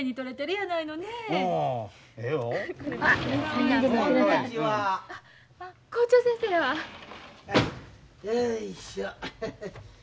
よいしょ。